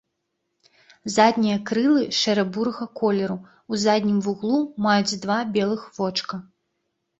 Заднія крылы шэра-бурага колеру, у заднім вуглу маюць два белых вочка.